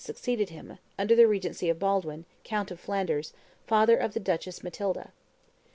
succeeded him, under the regency of Baldwin, count of Flanders, father of the Duchess Matilda.